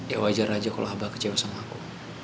ya wajar aja kalau abah kecewa sama aku